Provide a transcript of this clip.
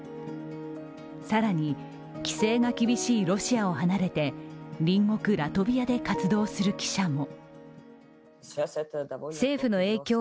更に規制が厳しいロシアを離れて隣国ラトビアで活動する記者も。